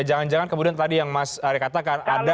jangan jangan kemudian tadi yang mas arya katakan anda